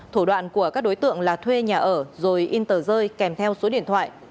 thủ đoạn của các đối tượng là thuê nhà ở rồi in tờ rơi kèm theo số điện thoại